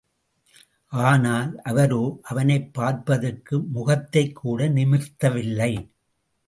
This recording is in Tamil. ஆனால், அவரோ, அவனைப் பார்ப்பதற்கு முகத்தைகூட நிமிர்த்தவில்லை.